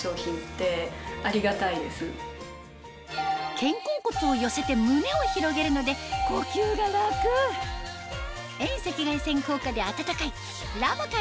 肩甲骨を寄せて胸を広げるので呼吸が楽遠赤外線効果で暖かいＬＡＶＡ